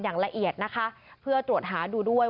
อย่างละเอียดนะคะเพื่อตรวจหาดูด้วย